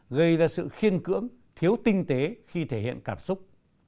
gây ra sự khiên cưỡng thiếu tinh tế khi thể hiện cảm xúc